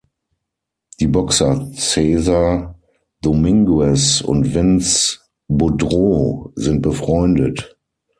Die Boxer Cesar Dominguez und Vince Boudreau sind befreundet.